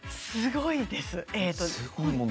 すごいです。